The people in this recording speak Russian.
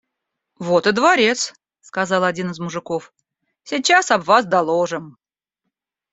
«Вот и дворец, – сказал один из мужиков, – сейчас об вас доложим».